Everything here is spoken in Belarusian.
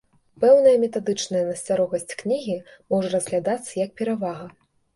Пэўная метадычная нястрогасць кнігі можа разглядацца як перавага.